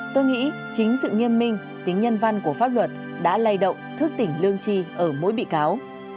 tôi nghĩ chính sự nghiêm minh tính nhân văn của pháp luật đã lây động thước tỉnh lương chi ở mỗi bí cáo